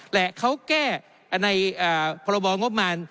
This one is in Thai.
และเขาแก้ในพรบงบมาร